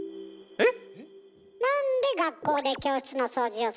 えっ？